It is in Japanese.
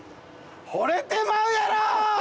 ほれてまうやろ！